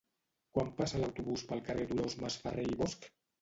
Quan passa l'autobús pel carrer Dolors Masferrer i Bosch?